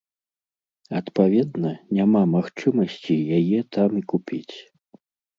Адпаведна, няма магчымасці яе там і купіць.